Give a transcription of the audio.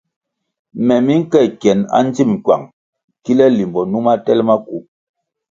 Me mi nke kyenʼ andzim kywang kile limbo numa tel maku.